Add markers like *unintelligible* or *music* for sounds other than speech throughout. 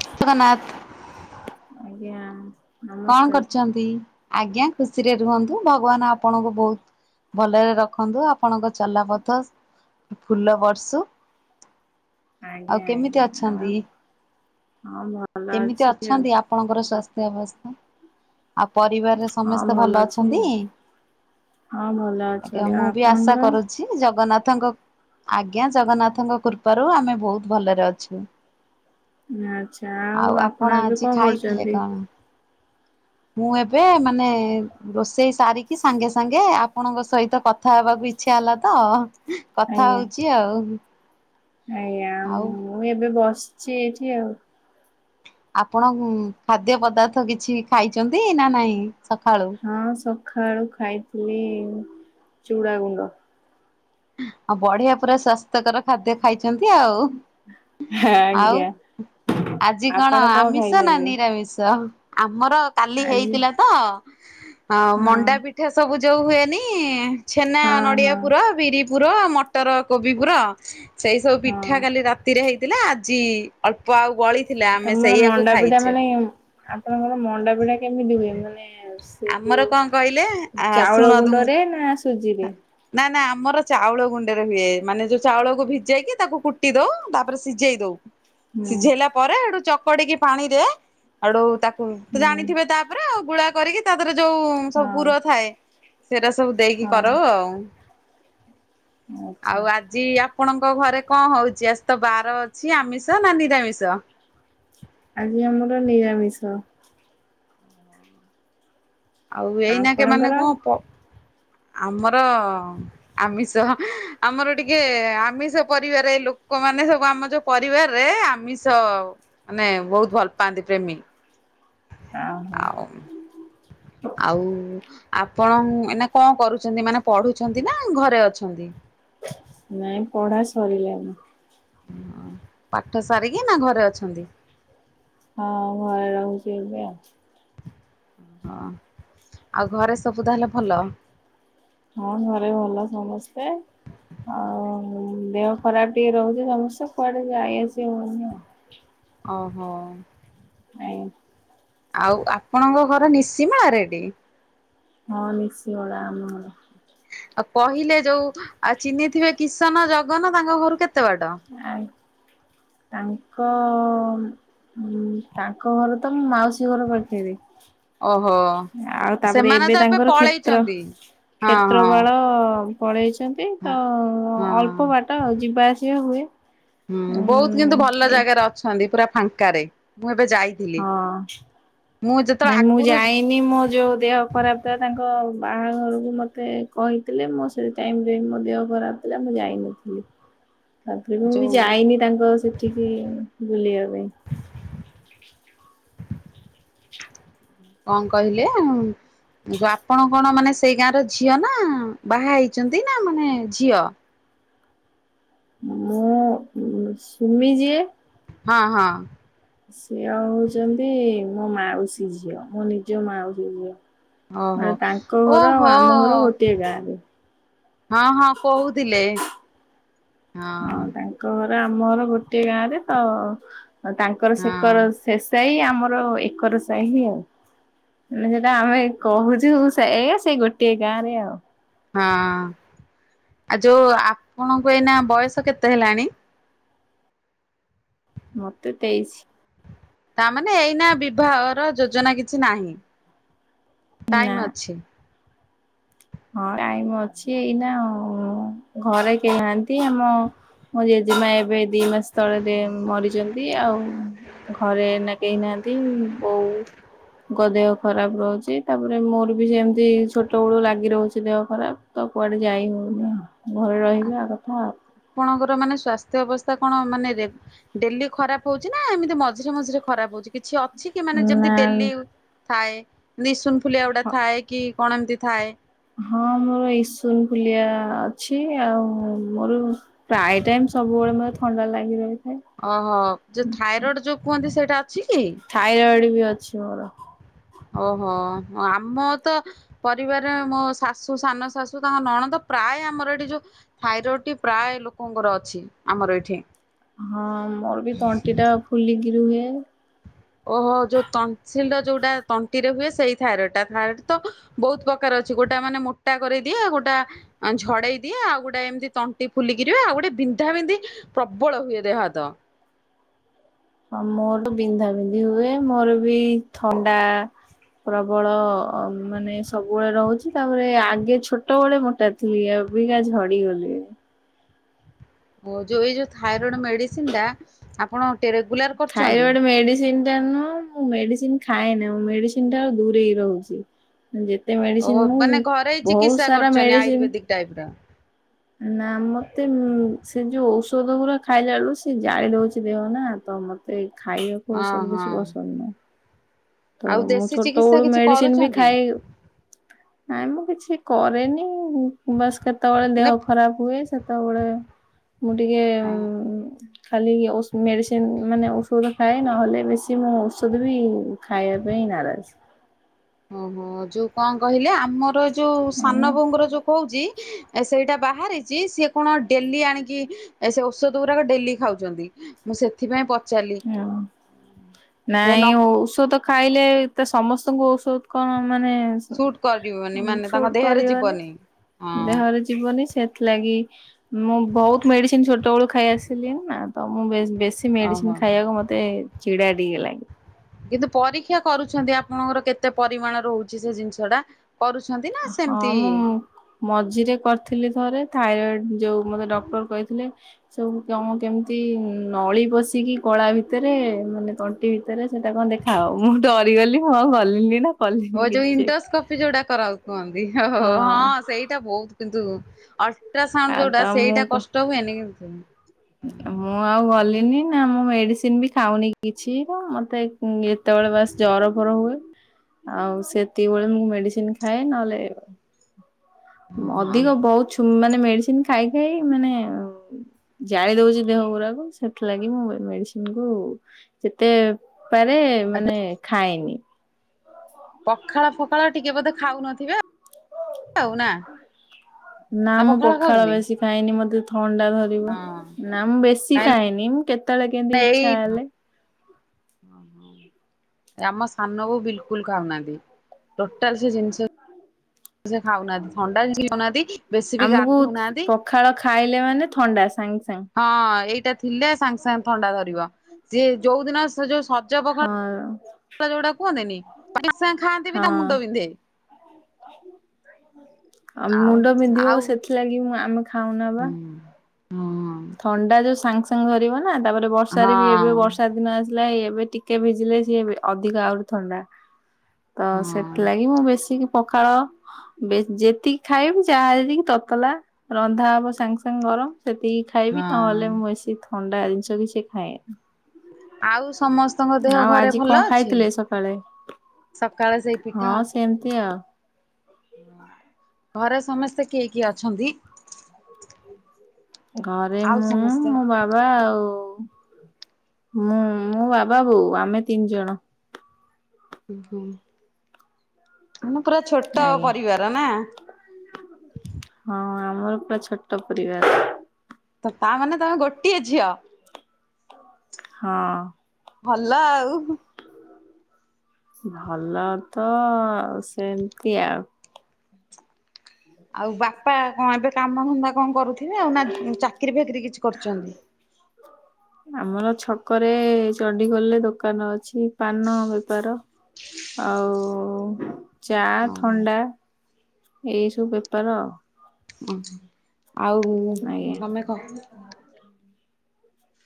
ଟିକେ ନେଟ ଆଜ୍ଞା। କଣ ନମସ୍କାର କରୁଛନ୍ତି ଆଜ୍ଞା ଖୁସିରେ ରୁହନ୍ତୁ ଭଗବାନ ଆପଣଙ୍କୁ ବହୁତ ଭଲରେ ରଖନ୍ତୁ ଆପଣଙ୍କ ଚଲାପଥ ଫୁଲ ବର୍ଷୁ। *inaudible* ଆଜ୍ଞା କେମିତି ଆଜ୍ଞା ଆଉ ଅଛନ୍ତି? ହଁ ଭଲ କେମିତି ଅଛି ଆଉ ଅଛନ୍ତି ଆପଣଙ୍କର ସ୍ୱାସ୍ଥ୍ୟ ଅବସ୍ଥା ଆଉ ପରିବାରରେ ହଁ ସମସ୍ତେ ଭଲ ଅଛି ଅଛନ୍ତି? ହଁ ଭଲ ଅଛନ୍ତି ଆଉ ଆପଣଙ୍କର? ଅଛି ଜଗନ୍ନାଥଙ୍କ ଆଜ୍ଞା ଜଗନ୍ନାଥଙ୍କ କୃପାରୁ ଆମେ ବହୁତ ଭଲରେ ଅଛୁ। ଆଚ୍ଛା ଆଉ ଆପଣ ଏବେ ଆଜି କଣ ଖାଇଥିଲେ କରୁଛନ୍ତି? କଣ? ମୁଁ ଏବେ ମାନେ ରୋଷେଇ ସାରିକି ସାଙ୍ଗେ ସାଙ୍ଗେ ଆପଣଙ୍କ ସହିତ କଥା ହେବାକୁ ଇଚ୍ଛା ହେଲା ତ କଥା ଆଜ୍ଞା ହଉଚି ଆଉ। ଆଜ୍ଞା। ଆଉ ମୁଁ ଏବେ ବସିଛି ଏଠି ଆଉ ଆପଣ ଖାଦ୍ୟ ପଦାର୍ଥ କିଛି ଖାଇଛନ୍ତି ନା ନହିଁ ସକାଳୁ? ହଁ ସକାଳୁ ଖାଇଥିଲି ଚୁଡ଼ାଗୁଣ୍ଡ। ଆଉ ବଢିଆ ପୁରା ସ୍ଵାସ୍ଥ୍ୟକର ଖାଦ୍ୟ ଖାଇଛନ୍ତି ଆଉ। ଆଉ ଆଜ୍ଞା ଆଜି କଣ ଆପଣ ଆମିଷ ନା ଖାଇଛନ୍ତି? ନିରାମିଷ? ଆମର କାଲି ଆଜି ହେଇଥିଲା ତ ଅ ହଁ ମଣ୍ଡାପି ଠା ସବୁଜ ହୁଏନି ଛେନା ହଁ ହଁ ନଡ଼ିଆ ପୁର ବିରି ପୁର ମଟର କୋବି ପୁରା ସେଇ ସବୁ ପିଠା ହଁ। କାଲି ରାତିରେ ହେଇ ଥିଲା ଆଜି ଅଳ୍ପ ଆଉ ବଳି ତମର ମଣ୍ଡାପିଠା ମାନେ ଆପଣଙ୍କର ମଣ୍ଡାପିଠା କେମିତି ହୁଏ ମାନେ ଆମର ଯୋଉ କଣ କହିଲେ ଆ ଶୁଣନ୍ତୁ ମୁ ସୁଝିବେ ନା ନା ଆମର ଚାଉଳ ଗୁଣ୍ଡରେ ହୁଏ ମାନେ ଯୋଉ ଚାଉଳକୁ ଭିଜେଇକି ତାକୁ କୁଟି ଦଉ ତା ତାପରେ ସିଝେଇ ଦଉ ହୁଁ ସିଝେଇଲା ପରେଠୁ ଚକଡିକି ପାଣିରେ ଆୁ ତାକୁ ହୁଁ ଜାଣିଥିବେ ତାପରେ ଆଉ ଗୁଳା କରିକି ତା ଦେରେ ଯୋଉ ସବୁ ପୁର ହଁ ଥାଏ। ସେଇଟା ସବୁ ଦେଇକି ହଁ କର ଆଉ ଆଚ୍ଛା। ଆଉ ଆ ଜି ଆପଣଙ୍କ ଘରେ କଣ ହେଉଛି ଆଜି ତ ବାର ଅଛି ଆମିଷ ନା ନିରାମିଷ? ଆଜି ଆମର ନିରାମିଷ। ଆଉ ଏଇନାକ ମାନେ ଆପଣଙ୍କର? କଣ ପ ଆମର ଆମିଷ ଆମର ଟିକେ ଆମିଷ ପରିବାରେ ଲୋକମାନେ ସବୁ ଆମ ଯୋଉ ପରିବାରରେ ଆମିଷ ମାନେ ବହୁତ ଭଲ ପାଆନ୍ତି ପ୍ରେମୀ। ଓହୋ। ଆଉ ଆଉ ଆପଣ ଏଇନା କଣ କରୁଛନ୍ତି ମାନେ ପଢୁଛନ୍ତି ନା ଘରେ ଅଛନ୍ତି? ନାଇଁ ପଢା ସାରିଲାଣି। ଓ ପାଠ ସାରିକି ନା ଘରେ ଅଛନ୍ତି। ହଁ ଘରେ ରହୁଛି ଏବେ ଆଉ। ହଁ ଆଉ ଘରେ ସବୁ ତାହେଲେ ଭଲ। ହଁ ଘରେ ଭଲ ସମସ୍ତେ। ଆଉ ଦେହ ଖରାପ ଟିକେ ରହୁଛି ସମସ୍ତେ କୁଆଡେ ଯାଇଆସି ହଉନି ଆଉ। ଓହୋ ଆ ଆଉ ଆପଣଙ୍କ ଘର ନିଶିମ ଆଉ ରେଡ଼ି ହଁ ନିିସି ଗଲା ଆମ ଘର ଆଉ କହିଲେ ଯୋଉ ଆଉ ଚିହ୍ନିଥିବେ କିସନ ଜଗନ ତାଙ୍କ ଘରୁ କେତେ ବାଟ? ଆଉ ତାଙ୍କ ହୁ ତାଙ୍କ ଘର ତ ମୁଁ ମାଉସୀ ଘର ପଠେଇବି ଓହୋ ଆଉ ତାପରେ ସେମାନେ ଏବେ ତ ତାଙ୍କର କ୍ଷେତ୍ର ପଳେଇଚନ୍ତି। ହଁ କ୍ଷେତ୍ର ବାଳ ହଁ ପଳେଇଛନ୍ତି ତ ହଁ ଅଳ୍ପ ବାଟ ଆ ଯିବା ଆସିବା ହୁଏ। ହୁଁ ବହୁତ ଉଁ କିନ୍ତୁ ଭଲ ଏ ଜାଗାରେ ଅଛନ୍ତି ପୁରା ଫାଙ୍କାରେ ମୁଁ ଏବେ ଯାଇ ଥିଲେ ହଁ। ମୁଁ ଯେତେବେଳେ ଆଗରୁ ହିଁ ମୋ ଯୋଉ ଦେହ ଖରାପ ଥିଲା ତାଙ୍କ ବାହାଘରକୁ ମତେ କହିଥିଲେ ମୋ ସେ ଟାଇମ ରେ ମୋ ଦେହ ଖରାପ ଥିଲା ମୁଁ ଯାଇନଥିଲି। ତାପରେ ବି ମୁଁ ଯୋଉ ଯାଇନି ତାଙ୍କ ସେଠିକି ବୁଲିବା ପାଇଁ କଣ କହିଲେ? ଯୋଉ ଆପଣ କଣ ମାନେ ସେଇ ଗାଁର ଝିଅ ନା ବାହା ହେଇଛନ୍ତି ନା ମାନେ ଝିଅ? ମୁଁ ଇ ଇ ଡି ଶ୍ ସୁମି ଯିଏ ହଁ ହଁ ସିଏ ଆ ହଉଛନ୍ତି ମୋ ମାଉସୀ ଝିଅ ମୋ ନିଜ ମାଉସୀ ଝିଅ ଏ ଓହୋ ତାଙ୍କ ଘର ଆଉ ଓହୋ ଆମ ଘର ଗୋଟିଏ ଗାଁରେ ହଁ ହଁ କହୁଥିଲେ ହଁ ତାଙ୍କ ଘର ଆମର ଗୋଟେ ଗାଁରେ ତ ତାଙ୍କର ହଁ ସେକର ଶେସାହି ଆମର ଏକର ସାହି ଆଉ ମାନେ ଯୋଉଟା ଆମେ କହୁଛୁ ସେ ସେଇ ଗୋଟଏ ଗାଁରେ ଆଉ ହଁ ଆଉ ଯୋଉ ଆପଣଙ୍କୁ ଏଇନା ବୟସ କେତେ ହେଲାଣି? ମତେ ତେଇଶୀ ତାମାନେ ଏଇନା ବିବାହର ଯୋଜନା କିଛି ନାହିଁ ନା। ଟାଇମ ଅଛି। ହଁ ଟାଇମ ଅଛି ଏଇନା ଆଉ ଘରେ କେହି ନାହାନ୍ତି ଆମ ମୋ ଜେଜେମା ଏବେ ଦି ମାସ ତଳେରେ ମରିଛନ୍ତି ଆଉ ଘରେ ଏଇନା କେହି ନାହାନ୍ତି ବୋଉ ଙ୍କ ଦେହ ଖରାପ ରହୁଛି ତାପରେ ମୋର ବି ସେମିତି ଛୋଟ ବେଳୁ ଲାଗ ଗି ରହୁଛି ଦେହ ଖରାପ ତ କୁଆଡ଼େ ଯାଇ ହେଉନି ଆଉ ଘରେ ରହିଲା କଥା ଆଉ ଆପଣଙ୍କର ମାନେ ସ୍ଵାସ୍ଥ୍ୟ ଅବସ୍ଥା କଣ ମାନେ ରେ ଡେଲି ଖରାପ ହଉଛି ନା ଏମିତି ମଝିରେ ମଝିରେ ଖରାପ ହଉଛି କିଛି ଅ? ଅଛି କି ମାନେ ଯେମିତି ନା ଡେଲି ଉ ଥାଏ ନିସୁନ ଫୁଲିଆ ଗୁଡ଼ା ଥାଏ କି କଣ ଏମିତି ଥାଏ? ହଁ ମୋର ଇସୁନ ଫୁଲିଆ ଅଛି ଆଉ ମୋର ପ୍ରାୟ ଟାଇମ ସବୁବେଳେ ମତେ ଥଣ୍ଡା ଲାଗି ରହେ ଓହୋ ଯୋଉ ଥାଇରଏଡ଼ ଯୋଉ କୁହନ୍ତି ସେଇଟା ଅଛି କି? ଥାଇରଏଡ଼ ବି ଅଛି ମୋର ଓହୋ ଆମ ତ ପରିବାରରେ ମୋ ଶାଶୁ ସାନ ଶାଶୁ ତାଙ୍କ ନଣନ୍ଦ ପ୍ରାୟ ଆମର ଏଠି ଯୋଉ ଥାଇରଏଡ଼ଟି ପ୍ରାୟ ଲୋକଙ୍କର ଅଛି ଆମର ଏଇଠି ହଁ ମୋର ବି ତଣ୍ଟି ଟା ଫୁଲିକି ରୁହେ। ଓହୋ ଯୋଉ ଟନସିଲଟା ଯୋଉଟା ତଣ୍ଟିରେ ହୁଏ ସେଇ ଥାଇରଡ ଟା ଥାଇରଡ ତ ବହୁତ ପ୍ରକାର ଅଛି ଗୋଟା ମାନେ ମୋଟା କରିଦିଏ ଗୋଟା ଆ ଝଡେଇ ଦିଏ ଆଉ ଗୋଟେ ଏମିତି ତଣ୍ଟି ଫୁଲିକି ରହେ ଆଉ ଗୋଟେ ବିନ୍ଧା ବିନ୍ଧି ପ୍ରବଳ ହୁଏ ଦେହ ହାତ ହଁ ମୋର ବିନ୍ଧା ବିନ୍ଧି ହୁଏ ମୋର ବି ଥଣ୍ଡା ପ୍ରବଳ ମାନେ ସବୁବେଳେ ରହୁଛି ତାପରେ ଆଗେ ଛୋଟବେଳେ ମୋଟା ଏବିିକା ଝଡିଗଲି ଓ ଯୋଉ ଏଇ ଯୋଉ ଥାଇରଏଡ ମେଡିସିନ ଟା ଆପଣ ରେଗୁଲାର କରୁଛନ୍ତି? ମେଡିସିନ୍ ଜାଣିନ ମୁଁ ମେଡିସିନ ଖାଏନା ମୁ ମେଡିସିନ ଟା ଦୂରେଇ ହେଇ ରହୁଛି। ଯେତେ ଓ ମେଡିସିନ ମୁଁ ମାନେ ଘରୋଇ ବହୁତ ସାରା ମେଡିସିନ ହ *inaudible* ନା ମତେ ଉ ସେ ଯୋଉ ଔଷଧ ଗୁଡା ଖାଇଲା ବେଳକୁ ସେ ଜାଳି ଦଉଛି ଦେହ ନା ତ ମତେ ଖାଇବାକୁ ହଁ ଔଷଧ ବେଶୀ ହଁ। ପସନ୍ଦ ନୁହ। ତ ଆଉ ମୁଁ ଦେଶୀ ଛୋଟ ଚିକିତ୍ସା ବେଳୁ କିଛି ମେଡିସିନ ବି କରୁଛନ୍ତି? ଖାଇ ନାଇଁ ମୁଁ କିଛି କରେନି। ବସ୍ କେତେବେଳେ ଦେହ ଖରାପ ହୁଏ ସେତେବେଳେ ମୁଁ ଟିକେ ଖାଲି ଓସ ମେଡ଼ିସ୍ ମାନେ ଔଷଧ ଖାଏ ନହେଲେ ବେଶୀ ମୁଁ ଔଷଧ ବି ଖାଇବା ପାଇଁ ନାରାଜ। ଓହୋ ଯୋଉ କଣ କହିଲେ ଆମର ଯୋଉ ସାନ ବୋଉଙ୍କର ଯୋଉ କହୁଛି ଏ ସେଇଟା ବାହାରିଛି ସିଏ କଣ ଡେଲି ଆଣିକି ସେ ଔଷଧ ଗୁଡାକ ଡେଲି ଖାଉଛନ୍ତି। ମୁଁ ସେଥିପାଇଁ ପଚାରିଲି। ହଁ ସେ ନ ନାଇ ଔଷଧ ଖାଇଲେ ଏତ ସମସ୍ତଙ୍କୁ ଔଷଧ କଣ ମାନେ ସୁଟ୍ କରିବନି ମାନେ ତାଙ୍କ ସୁଟ ଦେହରେ କରିବନି ଯିବନି। ହଁ ଦେହରେ ଯିବନି ସେଥିଲାଗି ମୁଁ ବହୁତ ମେଡିସିନ ଛୋଟ ବେଳୁ ଖାଇ ଆସିଲି ନା ତ ମୁଁ ବେଶ ବେଶୀ ସେ ଓହୋ ମେଡିସିନ ଖାଇବାକୁ ମତେ ଚଡା ଟିକେ ଲାଗେ। କିନ୍ତୁ ପରୀକ୍ଷା କରୁଛନ୍ତି ଆପଣଙ୍କର କେତେ ପରିମାଣ ରହୁଛି ସେ ଜିନିଷ ଟା କରୁଛନ୍ତି? ନା ହଁ ସେମିତି ମୁଁ ମୁ ମଝିରେ କରିଥିଲି ଥରେ ଥାଇରଏଡ ଯୋଉ ମତେ ଡକ୍ଟର କହିଥିଲେ ସବୁ କଣ କେମିତି ନଳି ପଶିକି କଳା ଭିତରେ ମାନେ ତଣ୍ଟି ଭିତରେ ସେଇଟା କଣ ଦେଖ ଆଉ ମୁଁ ଡରିଗଲି ହଁଉ ଗଲିନି ନା କଲିନି ଓ ଯୋଉ କିଛି ଚେକ୍। ଇଣ୍ଡୋସ୍କୋପି ଯୋଉଟା କରା କୁହନ୍ତି ଓ ହଁ ସେଇଟା ବହୁତ କିନ୍ତୁ ଅଲଟ୍ରାସାଉଣ୍ଡ ଆଉ ଯୋଉଟା ତ ସେଇଟା ମୁଁ କଷ୍ଟ ହୁଏନି କି ମୁଁ ଆଉ ଗଲିନି ନା ମୁଁ ମେଡିସିନ ବି ଖାଉନି କିଛି ତ ମତେ ହୁଁ ଯେତେବେଳେ ବାସ ଜର ଫର ହୁଏ ଆଉ ସେତିକି ବଳେ ମୁଁ ମେଡିସିନ ଖାଏ, ନହେଲେ ହଁ ଅଧିକ ବହୁତ ମାନେ ମେଡିସିନ ଖାଇ ଖାଇ ମାନେ ଜାଳି ଦଉଛି ଦେହ ଗୁଡାକୁ ସେଥିଲାଗି ମୁଁ ମେଡିସିନ କୁ ଯେତେ ପାରେ ଆ ମାନେ ଖାଏନି। ପଖାଳ ଫଖାଳ ଟିକେ ବୋଧେ ଖାଉନଥିବେ? ହଉ ନା ନା ପଖାଳ ଖାଉଛନ୍ତି? ଖାଇନି ମତେ ଥଣ୍ଡା ଧରିବ ହଁ ନା ମୁଁ ବେଶୀ କାହିଁକି ଖାଏନି ମୁଁ କେତେବେଳେ କେମିତି ଏଇ ଇଛା ହେଲେ ଆମ ସାନ ବୋହୁ ବିଲକୁଲ ଖାଉନାହାନ୍ତି, ଟୋଟାଲ ସେ ଜିନିଷ ସେ ଖାଉନାହାନ୍ତି ଥଣ୍ଡା ହଉନାହାନ୍ତି ବେଶୀ ବି ଆମକୁ ଗାଧଉନାହାନ୍ତି। ପଖାଳ ଖାଇଲେ ମାନେ ଥଣ୍ଡା ସାଙ୍ଗ ସାଙ୍ଗ। ହଁ ଏଇଟା ଥିଲେ ସାଙ୍ଗେ ସାଙ୍ଗେ ଥଣ୍ଡା ଧରିବ ସେ ଯୋଉ ଦିନ ସେ ଯୋଉ ହଁ *unintelligible* ଯୋଉଟା କୁହନ୍ତିନି ସାଙ୍ଗେ ଖାଆନ୍ତି ବି ତା ହଁ ମୁଣ୍ଡ ବିିନ୍ଧେ। ଆଉ ମୁଣ୍ଡ ବିନ୍ଧିବ ଆଉ ସେଥିଲାଗି ଆମେ ଖାଉନା ହଁ ବା। ହଁ ଥଣ୍ଡା ଯୋଉ ସାଙ୍ଗେ ସାଙ୍ଗେ ଧରିବ ନା ତାପରେ ବର୍ଷାରେ ବି ହଁ ଏବେ ବର୍ଷା ଦିନ ଆସ ଲା ଏବେ ଟିକେ ଭିଜିଲେ ସିଏ ଅଧିକ ଆହୁରି ଥଣ୍ଡା। ତ ସେଥିଲାଗି ମୁଁ ବେଶୀ ପଖାଳ ଯେତିକି ଖାଇବି ଯାହାତିକି ତତଲା ରନ୍ଧା ହବ ସାଙ୍ଗେ ସାଙ୍ଗେ ଗରମ ସେତିକି ଖାଇବି ହଁ। ନହେଲେ ମୁଁ ବେଶି ଥଣ୍ଡା ଜିନିଷ କିଛି ଖାଏନି। ଆଉ ସମସ୍ତଙ୍କ ଦେହ ଆଉ ଘରେ ଆଜି କଣ ଭଲ ଅଛି? ଖାଇଥିଲେ ସକାଳେ? ସକାଳେ ସେଇ ପି ହଁ ସେମ୍ତି ଆଉ। ଘରେ ସମେସ୍ତେ କିଏ କିଏ ଅଛ? ଘରେ ଆଉ ମୁଁ ସମସ୍ତେ ମୋ ବା ମୁଁ ବାବା, ବୋଉ ଆମେ ତିନ୍‌ ଜଣ। ପୁରା ଛୋଟ ଆଜ୍ଞା ପରିବାର ନା। ହଁ ଆମର ପୁରା ଛୋଟ ପରିବାର୍। ତା'ମାନେ ତମେ ଗୋଟିଏ ଝିଅ। ହଁ! ଭଲ ଆଉ। ଭଲ ତ ସେନ୍ତି ଆଉ। ଆଉ ବାପା ଏବେ କାମ ଧନ୍ଦା କରୁଥିବେ, ଆଉ ନା ଚାକିରି ଫାକିରି କିଛି କରୁଚନ୍ତି? ଆମର ଛକରେ ଚଣ୍ଡିଖୋଲ୍ ରେ ଦୋକାନ ଅଛି ପାନ ବେପାର। *inaudible* ଚା, ଓହୋ ଥଣ୍ଡା ଏଇସବୁ ବେପାର ଆଉ। ଆଜ୍ଞା। *inaudible*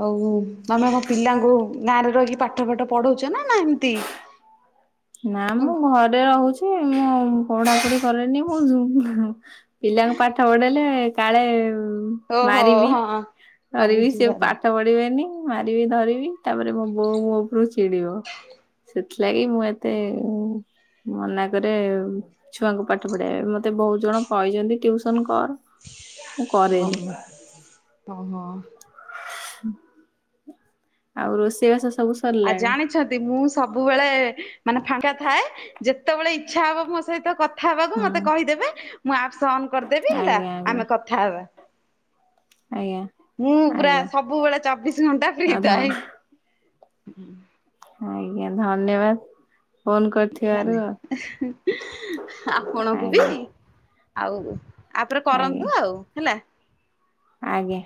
ଆଉ ତମେ ପିଲାଙ୍କୁ ଗାଁରେ ରହିକି ପାଠ ଫାଠ ପଢ଼ଉଚ? ନା ଏମ୍ତି ନା ଘରେ ରହୁଚି ମୁଁ। *inaudible* ଓହୋ ହଁ ହଉ ମାରିବି ସେ ବୁଝିପାରିଲି ପାଠ ପଢ଼ିବେନି। ମାରିବି ଧରିବି ତା'ପରେ ମୋ ବୋଉ ମୋ ଚିଡ଼ିବ। ସେଥିଲାଗି ମୁଁ ମନା କରେ। ଛୁଆଙ୍କୁ ପାଠ ମତେ ବହୁତ୍ ଜଣ କହିଚନ୍ତି ଟିଉସନ୍ କର୍। *inaudible* *inaudible* ଆଉ ରୋଷେଇ ବାସ ସବୁ ସରିଲାଣି *inaudible* ମୁଁ ସବୁବେଳେ ମାନେ ଫାଙ୍କା ଥାଏ। ଯେତବଳେ ଇଚ୍ଛା ହବ ସହିତ କଥା ହେବାକୁ ହୁଁ ମତେ କହିଦେବେ, ମୁଁ ଆପ୍ସ୍‌ ଅନ୍ କର୍ ଦେବି ହେଲା ଆଜ୍ଞା ଆଜ୍ଞା ଆମେ କଥା ହେବା। ଆଜ୍ଞା। ମୁଁ ପୁରା ଆଜ୍ଞା ସବୁବେଳେ ଚବିଶି ଘଣ୍ଟା ଆଉ ଫ୍ରି ଧ ଥାଏ। ଆଜ୍ଞା, ଧନ୍ୟବାଦ୍‌ ଫୋନ୍‌ କରିଥିବାରୁ ଆଉ। ଆଜ୍ଞା *inaudible* ଆଜ୍ଞା କରନ୍ତୁ ଆଉ ହେଲା। ଆଜ୍ଞା।